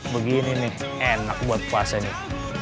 begini nih enak buat puasa nih